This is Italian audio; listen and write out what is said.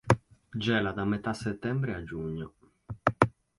Gela da metà settembre a giugno.